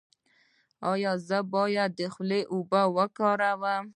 ایا زه باید د خولې اوبه وکاروم؟